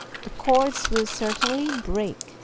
The cords will certainly break."